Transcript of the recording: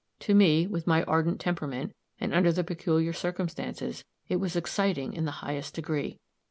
To me, with my ardent temperament, and under the peculiar circumstances, it was exciting in the highest degree.